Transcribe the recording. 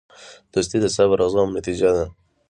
دوستي د صبر او زغم نتیجه ده.